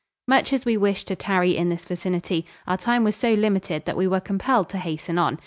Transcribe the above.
] Much as we wished to tarry in this vicinity, our time was so limited that we were compelled to hasten on.